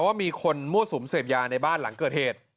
ว่ามีคนมั่วสุมเสพยาในบ้านหลังเกิดเหตุ